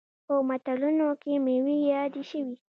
په متلونو کې میوې یادې شوي.